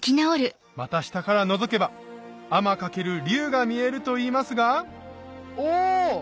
股下からのぞけば天かける竜が見えるといいますがお！